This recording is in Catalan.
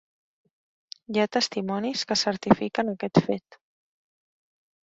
Hi ha testimonis que certifiquen aquest fet.